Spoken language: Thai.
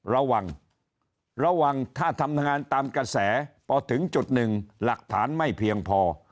ระวังระวังถ้าทำงานตามกระแสพอถึงจุดหนึ่งหลักฐานไม่เพียงพอ